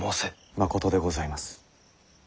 まことでございます。